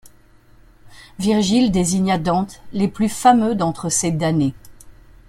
Virgile désigne à Dante les plus fameux d'entre ces damnés.